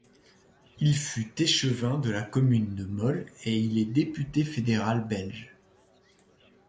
Il fut échevin de la commune de Mol et il est député fédéral belge.